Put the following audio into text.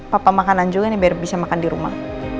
papa makanan juga nih biar bisa makan di rumah